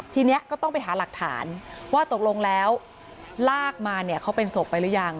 ทีนี้ก็ต้องไปหาหลักฐานว่าตกลงแล้วลากมาเนี่ยเขาเป็นศพไปหรือยัง